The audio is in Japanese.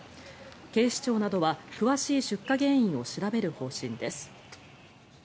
警視庁などは詳しい出火原因を調べる方針です。